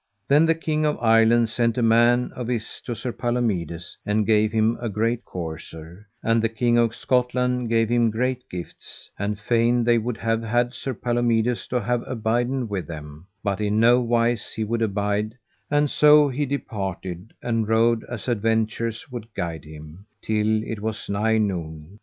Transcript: Then the King of Ireland sent a man of his to Sir Palomides, and gave him a great courser, and the King of Scotland gave him great gifts; and fain they would have had Sir Palomides to have abiden with them, but in no wise he would abide; and so he departed, and rode as adventures would guide him, till it was nigh noon.